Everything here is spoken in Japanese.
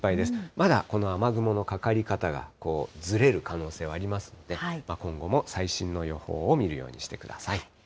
まだこの雨雲のかかり方がずれる可能性はありますので、今後も最新の予報を見るようにしてください。